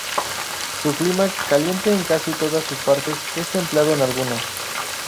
Su clima, caliente en casi todas sus partes, es templado en algunas.